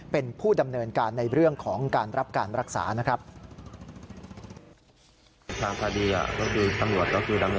เป็นผู้ดำเนินการในเรื่องของการรับการรักษานะครับ